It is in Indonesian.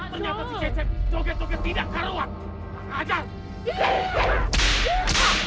ternyata si cecep joget joget tidak karuan aja